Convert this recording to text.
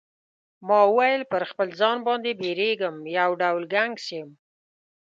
ما وویل پر خپل ځان باندی بیریږم یو ډول ګنګس یم.